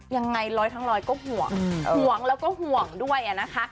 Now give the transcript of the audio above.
ยังไงร้อยทั้งร้อยก็หวงหวังแล้วก็หววง